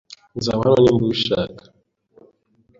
Nzaba hano niba ubishaka.